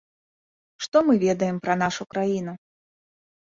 Што мы ведаем пра нашу краіну?